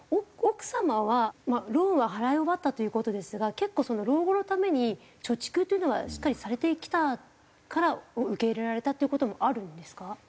奥様はローンは払い終わったという事ですが結構老後のために貯蓄というのはしっかりされてきたから受け入れられたっていう事もあるんですか？